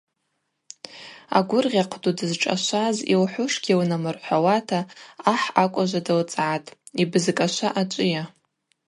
Агвыргъьахъв ду дызшӏашваз йылхӏвушгьи лнамырхӏвауата ахӏ акӏважва дылцӏгӏатӏ: Йбызкӏашва ачӏвыйа?